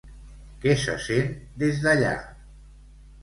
Què se sent des d'allà?